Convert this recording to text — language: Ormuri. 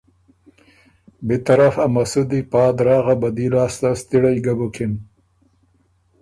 بی طرف ا مسُدی ݫاتی پا دراغه بدي لاسته ستِړئ ګۀ بُکِن